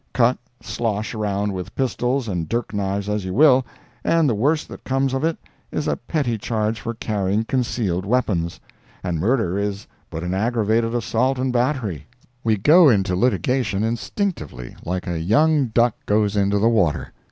Cut, slosh around with pistols and dirk knives as you will, and the worst that comes of it is a petty charge of carrying concealed weapons; and murder is but an aggravated assault and battery. We go into litigation instinctively, like a young duck goes into the water.